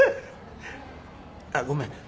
あっごめん。